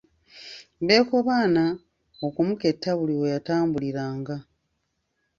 Beekobaana okumuketta buli we yatambuliranga.